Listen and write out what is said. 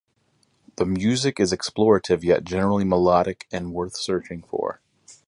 The music is explorative yet generally melodic and worth searching for.